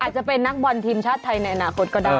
อาจจะเป็นนักบอลทีมชาติไทยในอนาคตก็ได้